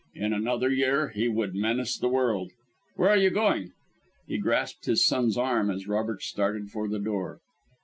"In another year, he would menace the world. Where are you going?" He grasped his son's arm as Robert started for the door.